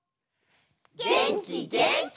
げんきげんき！